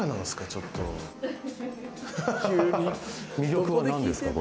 ちょっ魅力はなんですか？